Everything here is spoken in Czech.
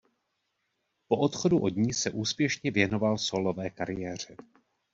Po odchodu od ní se úspěšně věnoval sólové kariéře.